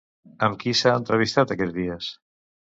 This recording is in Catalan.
Amb qui s'ha entrevistat aquests dies?